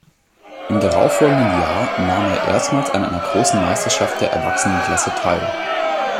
Im darauffolgenden Jahr nahm er erstmals an einer großen Meisterschaft der Erwachsenenklasse teil.